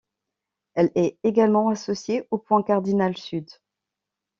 Elle est également associée au point cardinal sud.